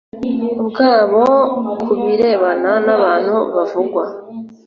bwabo ku birebana n abantu bavugwa